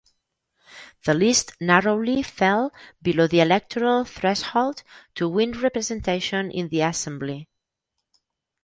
The list narrowly fell below the electoral threshold to win representation in the assembly.